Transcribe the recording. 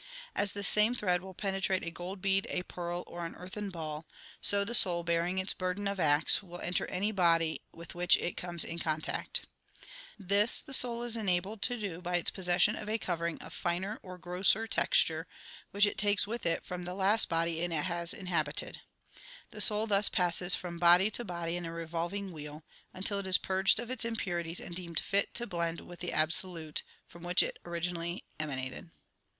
As the same thread will penetrate a gold bead, a pearl, or an earthen ball, so the soul, bearing its burden of acts, will enter any body with which it conies in contact. This the soul is enabled to do by its possession of a covering of finer or grosser texture, which it takes with it from the last body it has inhabited. The soul thus passes from body to body in a revolving wheel, until it is purged of its im purities and deemed fit to blend with the Absolute, from which it originally emanated.